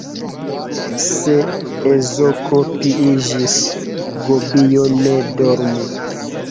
Se ezoko piiĝis, gobio ne dormu.